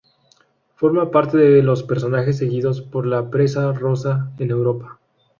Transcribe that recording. Forma parte de los personajes seguidos por la prensa rosa en Europa.